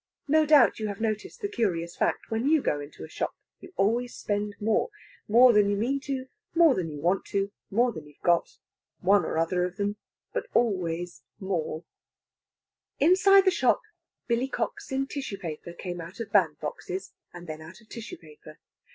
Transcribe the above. No doubt you have noticed the curious fact that when you go into a shop you always spend more more than you mean to, more than you want to, more than you've got one or other of them but always more. Inside the shop, billycocks in tissue paper came out of band boxes, and then out of tissue paper.